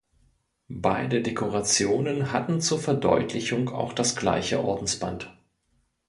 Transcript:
Beide Dekorationen hatten zur Verdeutlichung auch das gleiche Ordensband.